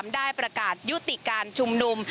ได้ประกาศยุติการชุมนุม